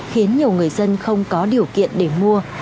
khiến nhiều người dân không có điều kiện để mua